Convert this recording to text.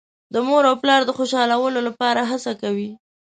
د مور او پلار د خوشحالولو لپاره هڅه کوي.